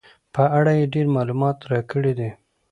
په اړه یې ډېر معلومات راکړي دي.